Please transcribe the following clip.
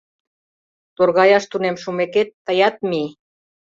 Торгаяш тунем шумекет, тыят мий.